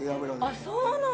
あっそうなんだ。